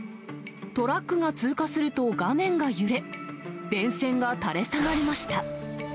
トラックが通過すると、画面が揺れ、電線が垂れ下がりました。